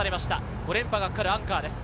５連覇がかかるアンカーです。